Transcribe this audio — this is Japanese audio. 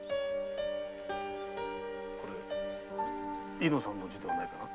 これ猪之さんの字ではないかな？